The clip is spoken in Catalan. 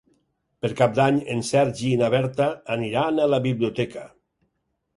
Per Cap d'Any en Sergi i na Berta aniran a la biblioteca.